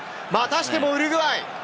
またしてもウルグアイ！